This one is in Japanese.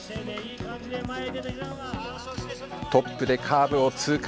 トップでカーブを通過。